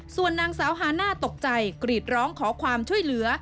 ส่วนนางสาวฮาน่าตกใจกรีดร้องขอความช่วยเหลือ